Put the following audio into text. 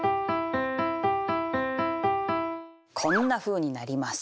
こんなふうになります。